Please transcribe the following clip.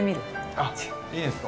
あいいですか？